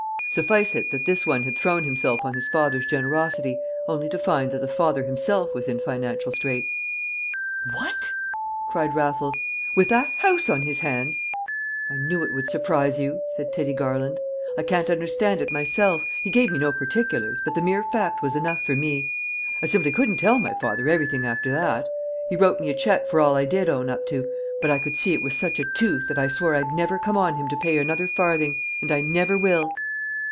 Suffice it that this one had thrown himself on his father's generosity, only to find that the father himself was in financial straits. "What!" cried Raffles, "with that house on his hands?" "I knew it would surprise you," said Teddy Garland. "I can't understand it myself; he gave me no particulars, but the mere fact was enough for me. I simply couldn't tell my father everything after that. He wrote me a cheque for all I did own up to, but I could see it was such a tooth that I swore I'd never come on him to pay another farthing. And I never will!"